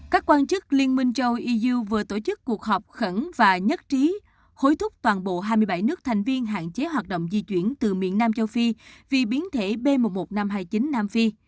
các quan chức liên minh châu iuu vừa tổ chức cuộc họp khẩn và nhất trí hối thúc toàn bộ hai mươi bảy nước thành viên hạn chế hoạt động di chuyển từ miền nam châu phi vì biến thể b một mươi một nghìn năm trăm hai mươi chín nam phi